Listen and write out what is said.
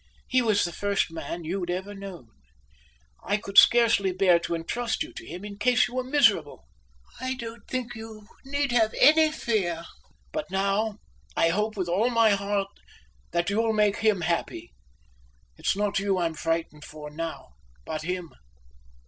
He was the first man you'd ever known. I could scarcely bear to entrust you to him in case you were miserable." "I don't think you need have any fear." "But now I hope with all my heart that you'll make him happy. It's not you I'm frightened for now, but him."